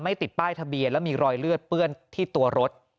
ติดป้ายทะเบียนแล้วมีรอยเลือดเปื้อนที่ตัวรถ